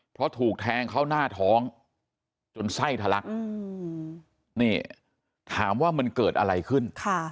เพราะถูกแทงเข้าหน้าท้องจนไส้ทะลักนี่ถามว่ามันเกิดอะไรขึ้น